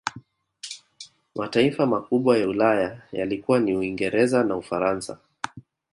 Mataifa makubwa ya Ulaya yalikuwa ni Uingereza na Ufaransa